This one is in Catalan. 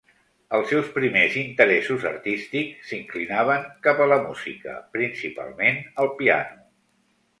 Els seus primers interessos artístics s'inclinaven cap a la música, principalment el piano.